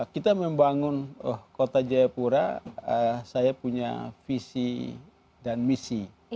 kita membangun kota jayapura saya punya visi dan misi